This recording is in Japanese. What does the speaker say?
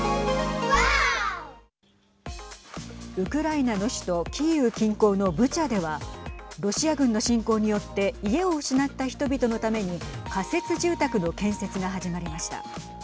ウクライナの首都キーウ近郊のブチャではロシア軍の侵攻によって家を失った人々のために仮設住宅の建設が始まりました。